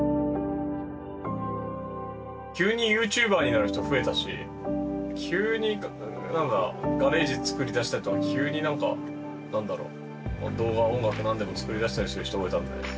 急にＹｏｕＴｕｂｅｒになる人増えたし急にガレージ作り出したりとか急に何か何だろう動画音楽何でも作り出したりする人増えたんで。